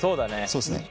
そうっすね。